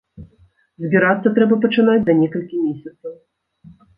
Збірацца трэба пачынаць за некалькі месяцаў.